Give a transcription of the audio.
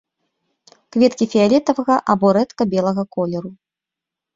Кветкі фіялетавага або рэдка белага колеру.